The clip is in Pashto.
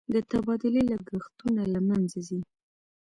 د تبادلې لګښتونه له منځه ځي.